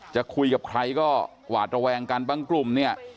จะคุยกับใครก็หวาดระแวงกันบางกลุ่มเนี่ย